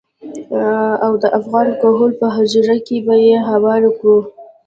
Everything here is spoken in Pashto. او د افغان کهول په حجره کې به يې هوار کړو.